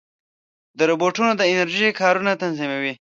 روبوټونه د انرژۍ کارونه تنظیموي.